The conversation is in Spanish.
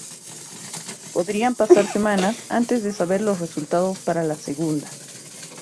Podrían pasar semanas antes de saber los resultados para la segunda".